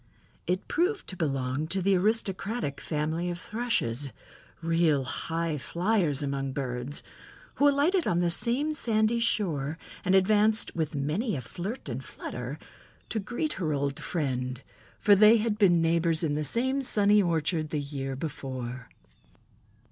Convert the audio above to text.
It proved to belong to the aristocratic family of Thrushes—real high flyers among birds—who alighted on the same sandy shore and advanced "with many a flirt and flutter" to greet her old friend, for they had been neighbors in the same sunny orchard the year before.